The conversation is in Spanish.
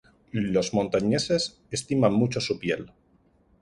Los montañeses estiman mucho su piel.